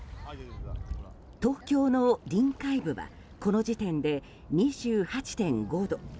東京の臨海部はこの時点で２８．５度。